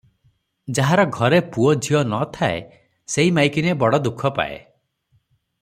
ଯାହାର ଘରେ ପୁଅ ଝିଅ ନ ଥାଏ, ସେଇ ମାଇକିନିଆ ବଡ଼ ଦୁଃଖ ପାଏ ।"